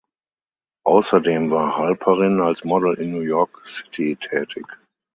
Außerdem war Halperin als Model in New York City tätig.